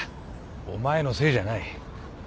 お前のせいじゃない。